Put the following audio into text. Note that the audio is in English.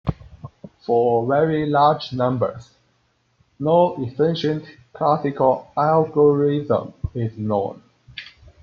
For very large numbers, no efficient classical algorithm is known.